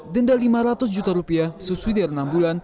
denda lima ratus juta rupiah subsidiar enam bulan